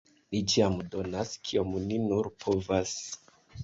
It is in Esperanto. Ni ĉiam donas, kiom ni nur povas.